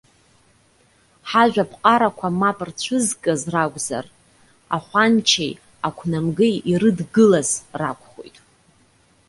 Ҳажәаԥҟарақәа мап рцәызкыз ракәзар, ахәанчеи ақәнамгеи ирыдгылаз ракәхоит.